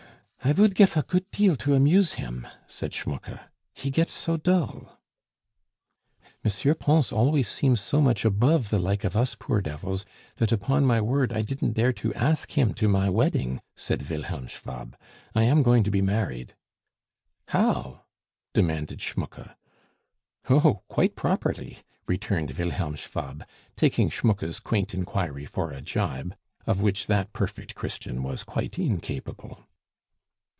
"I vould gif a goot teal to amuse him," said Schmucke, "he gets so dull." "M. Pons always seems so much above the like of us poor devils, that, upon my word, I didn't dare to ask him to my wedding," said Wilhelm Schwab. "I am going to be married " "How?" demanded Schmucke. "Oh! quite properly," returned Wilhelm Schwab, taking Schmucke's quaint inquiry for a gibe, of which that perfect Christian was quite incapable.